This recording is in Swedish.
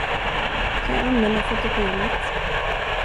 Kan jag använda fotogenet?